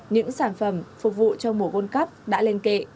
những sản phẩm phục vụ cho mùa vân cấp đã lên kệ